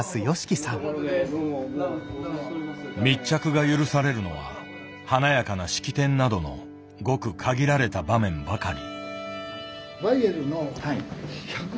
密着が許されるのは華やかな式典などのごく限られた場面ばかり。